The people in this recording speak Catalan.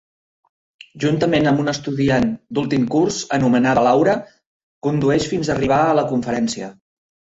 Juntament amb una estudiant d'últim curs anomenada Laura, condueix fins arribar a la conferència.